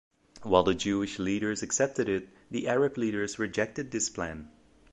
While the Jewish leaders accepted it, the Arab leaders rejected this plan.